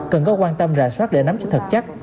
cần có quan tâm rà soát để nắm chứng thật chắc